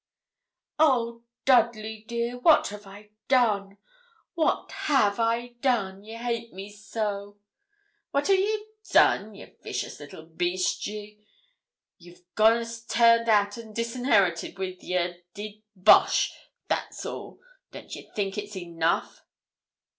'Oh! Dudley, dear, what have I done what have I done ye hate me so?' 'What a' ye done? Ye vicious little beast, ye! You've got us turned out an' disinherited wi' yer d d bosh, that's all; don't ye think it's enough?'